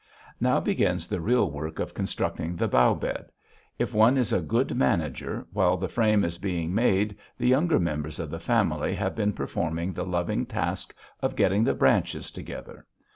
Now begins the real work of constructing the bough bed. If one is a good manager, while the frame is being made, the younger members of the family have been performing the loving task of getting the branches together.